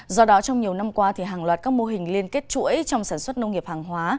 do đó trong nhiều năm qua hàng loạt các mô hình liên kết chuỗi trong sản xuất nông nghiệp hàng hóa